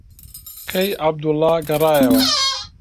کەی عەبدوڵڵا گەڕایەوە؟